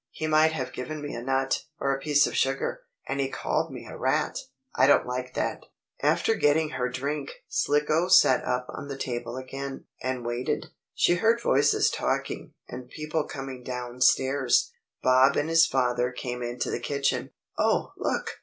"He might have given me a nut, or a piece of sugar. And he called me a rat I don't like that." After getting her drink, Slicko sat up on the table again, and waited. She heard voices talking, and people coming down stairs. Bob and his father came into the kitchen. "Oh, look!